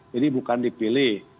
jadi bukan dipilih